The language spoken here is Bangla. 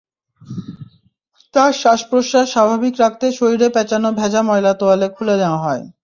তার শ্বাস-প্রশ্বাস স্বাভাবিক রাখতে শরীরে প্যাঁচানো ভেজা ময়লা তোয়ালে খুলে নেওয়া হয়।